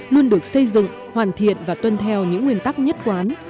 luôn được xây dựng hoàn thiện và tuân theo những nguyên tắc nhất quán